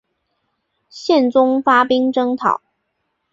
宪宗发兵征讨。